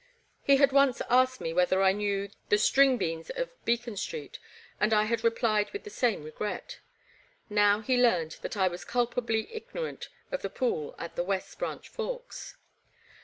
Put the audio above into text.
He had once asked me whether I knew the Stryngbenes of Beacon Street, and I had replied with the same regret. Now he learned that I was culpably ignorant of the pool at the West Branch Forks.